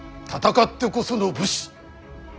戦ってこその武士。